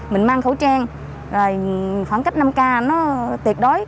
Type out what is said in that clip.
mình mang khẩu trang khoảng cách năm k nó tuyệt đối